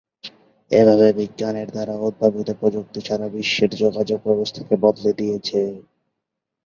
এভাবে বিজ্ঞানের দ্বারা উদ্ভাবিত প্রযুক্তি সারা বিশ্বের যোগাযোগ ব্যবস্থাকে বদলে দিয়েছে।